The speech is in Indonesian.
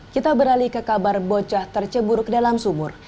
kita beralih ke kabar bocah terceburuk dalam sumur